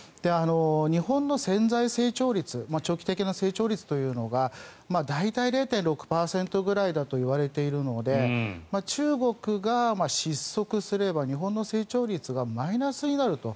日本の潜在成長率長期的な成長率というのが大体０．６％ぐらいだといわれているので中国が失速すれば日本の成長率がマイナスになると。